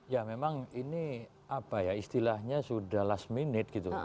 ya memang ini apa ya istilahnya sudah last minute gitu